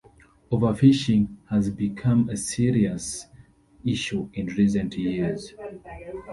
Overfishing has become a serious issue in recent years.